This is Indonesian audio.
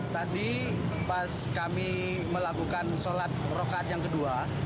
tadi pas kami melakukan sholat rokat yang kedua